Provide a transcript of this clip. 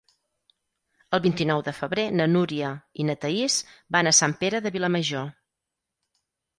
El vint-i-nou de febrer na Núria i na Thaís van a Sant Pere de Vilamajor.